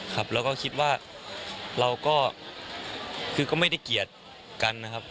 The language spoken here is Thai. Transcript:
ครับแล้วก็คิดว่าเราก็คือก็ไม่ได้เกลียดกันนะครับ